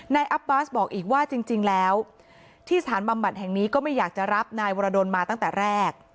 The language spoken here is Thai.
อัพบาสบอกอีกว่าจริงแล้วที่สถานบำบัดแห่งนี้ก็ไม่อยากจะรับนายวรดลมาตั้งแต่แรก